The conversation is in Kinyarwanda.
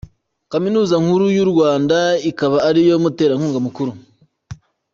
Kaminuza nkuru y’ u Rwanda akaba ariyo muterankunga mukuru.